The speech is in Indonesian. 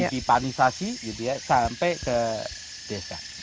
dipipanisasi sampai ke desa